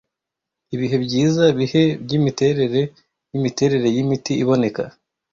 ibihe byiza-bihe byimiterere yimiterere yimiti iboneka